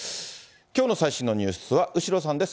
きょうの最新のニュースは後呂さんです。